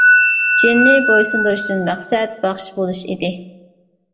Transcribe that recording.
جىننى بويسۇندۇرۇشتىن مەقسەت باخشى بولۇش ئىدى.